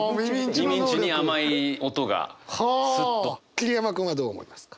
桐山君はどう思いますか？